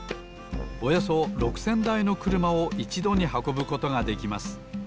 およそ６，０００だいのくるまをいちどにはこぶことができます